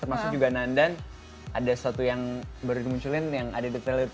feel gana dan ada satu yang buddha muncul momen moment begin basket